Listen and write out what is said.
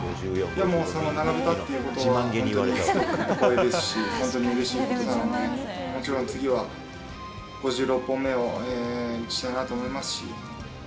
王さんに並べたっていうことは、本当にすごく光栄ですし、本当にうれしいことなので、もちろん次は５６本目を打ちたいなと思いますし。